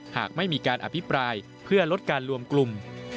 หากไม่มีการอภิปรายเพื่อลดการรวมกลุ่ม